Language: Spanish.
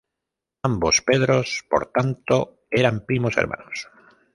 Ambos Pedros, por tanto, eran primos hermanos.